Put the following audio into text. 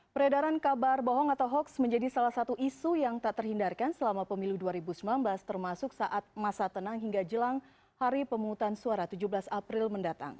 peredaran kabar bohong atau hoax menjadi salah satu isu yang tak terhindarkan selama pemilu dua ribu sembilan belas termasuk saat masa tenang hingga jelang hari pemungutan suara tujuh belas april mendatang